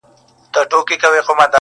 د الف لیله و لیله د کتاب د ریچارډ !.